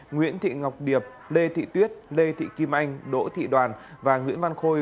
nguyễn thị ngọc điệp lê thị tuyết lê thị kim anh đỗ thị đoàn và nguyễn văn khôi